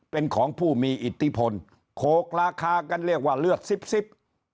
เป็นของผู้มีอิทธิพลโขกราคากันเรียกว่าเลือดซิบ